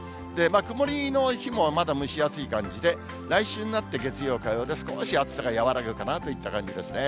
曇りの日もまだ蒸し暑い感じで、来週になって月曜、火曜で少し暑さが和らぐといった感じですね。